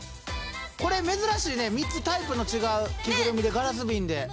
これ珍しいね３つタイプの違う着ぐるみでガラスびんで。